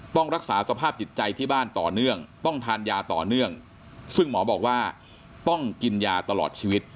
ต้องรักษาสภาพจิตใจที่บ้านต่อเนื่องต้องทานยาต่อเนื่องซึ่งหมอบอกว่าต้องกินยาตลอดชีวิต